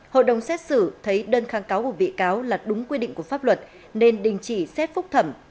hội đồng xét xử thấy đơn kháng cáo của bị cáo là đúng quy định của pháp luật nên đình chỉ xét phúc thẩm